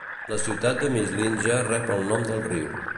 La ciutat de Mislinja rep el nom del riu.